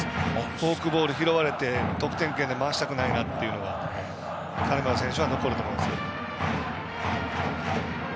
フォークボール、拾われて得点圏で回したくないというのが金村選手は残ると思います。